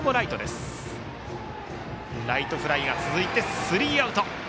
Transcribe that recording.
ライトフライが続いてスリーアウト。